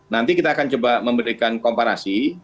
nanti kita akan coba memberikan komparasi